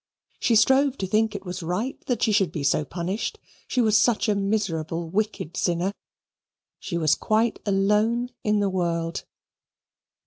She strove to think it was right that she should be so punished. She was such a miserable wicked sinner. She was quite alone in the world.